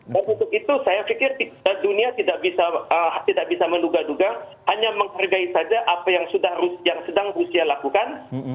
dan untuk itu saya pikir dunia tidak bisa menuga duga hanya menghargai saja apa yang sedang rusia lakukan